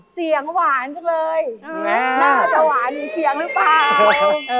เสียงหวานจังเลย